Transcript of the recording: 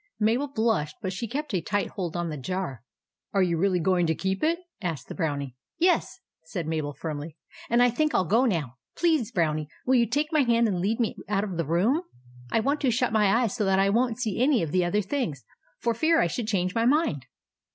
Mabel blushed, but she kept a tight hold on the jar. " Are you really going to keep it ?" asked the Brownie. " Yes," said Mabel, firmly ;" and I think I '11 go now. Please, Brownie, will you take my hand and lead me out of the room ? I want to shut my eyes so that I won't see any of the other things, for fear I should change my mind."